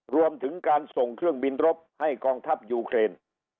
รวมถึงการส่งเครื่องบินรบให้กองทัพยูเครน